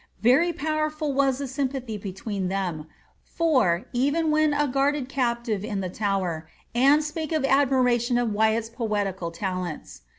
Very |)owerful was the sympathy between them *, for, even when a guarded captive in the Tower, Anne spake with admiration of Wyatt's poetical talents.'